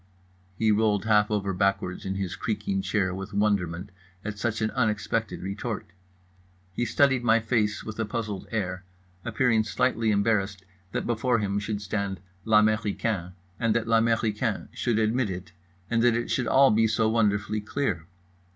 _" He rolled half over backwards in his creaking chair with wonderment at such an unexpected retort. He studied my face with a puzzled air, appearing slightly embarrassed that before him should stand l'américain and that l'américain should admit it, and that it should all be so wonderfully clear.